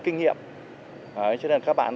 kinh nghiệm cho nên các bạn